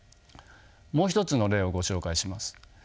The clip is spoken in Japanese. もう一つの例をご紹介します。